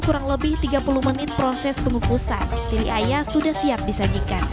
kurang lebih tiga puluh menit proses pengukusan tiri ayam sudah siap disajikan